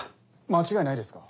間違いないですか？